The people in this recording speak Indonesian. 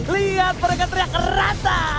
lihat mereka teriak rata